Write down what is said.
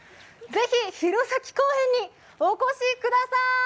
ぜひ弘前公園にお越しください！